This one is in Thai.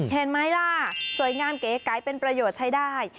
เห็นไหมล่ะสวยงามเก๋ไก๋เป็นประโยชน์ใช้ได้